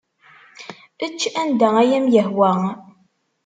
Ečč anda ay am-yehwa.